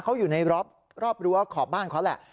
เขาอยู่ในรอบรั้วขอบบ้านเขาแหละ